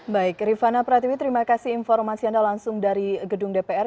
baik rifana pratiwi terima kasih informasi anda langsung dari gedung dpr